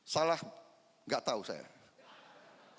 salah enggak tahu saya